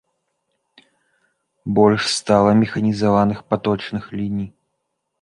Больш стала механізаваных паточных ліній.